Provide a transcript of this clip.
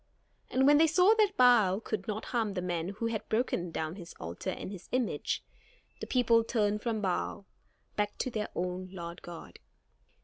And when they saw that Baal could not harm the man who had broken down his altar and his image, the people turned from Baal, back to their own Lord God.